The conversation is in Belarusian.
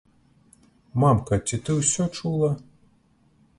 Мамка, ці ты ўсё чула?